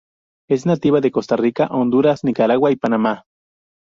Es nativa de Costa Rica, Honduras, Nicaragua y Panamá.